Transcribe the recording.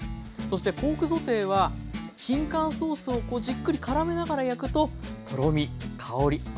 そしてポークソテーはきんかんソースをじっくりからめながら焼くととろみ香り